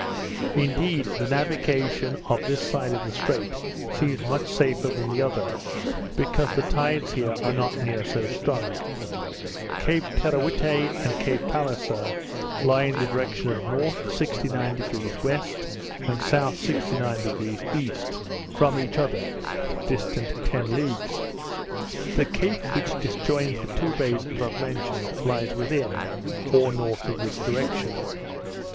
Indeed, the navigation of this side of the Strait seems much safer than the other, because the tides here are not near so strong. Cape Teerawhitte and Cape Palliser lie in the direction of N. 69° W., and S. 69° east, from each other distant ten leagues. The cape which disjoins the two bays above mentioned lies within, or north of this direction.